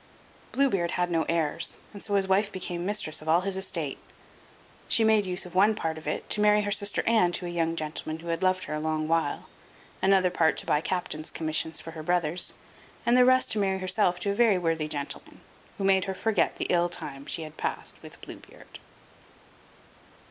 Blue Beard had no heirs, and so his wife became mistress of all his estate. She made use of one part of it to marry her sister Anne to a young gentleman who had loved her a long while; another part to buy captains commissions for her brothers, and the rest to marry herself to a very worthy gentleman, who made her forget the ill time she had passed with Blue Beard.